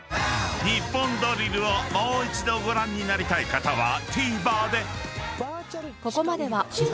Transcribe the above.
［『ニッポンドリル』をもう一度ご覧になりたい方はＴＶｅｒで］